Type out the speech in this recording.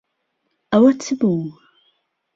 ئەوە چ بوو؟